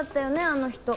あの人。